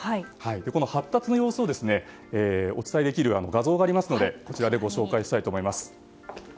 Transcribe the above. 発達の様子をお伝えできる画像がありますのでご紹介したいと思います。